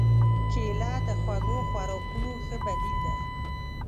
کېله د خوږو خوراکونو ښه بدیل دی.